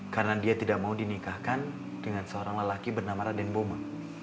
karena dia tidak mau dinikahkan dengan seorang lelaki bernama raden boma